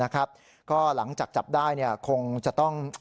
ก็หลังจากจับได้คงจะต้อง